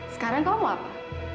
sekarang kamu mau apa